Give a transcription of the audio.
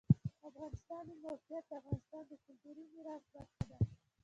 د افغانستان د موقعیت د افغانستان د کلتوري میراث برخه ده.